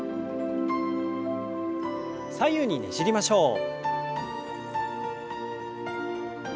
左右にねじりましょう。